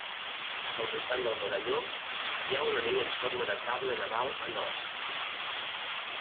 Al voltant del medalló hi ha un anell en forma de cable naval en or.